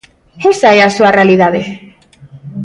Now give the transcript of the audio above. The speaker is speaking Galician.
¡Esa é a súa realidade!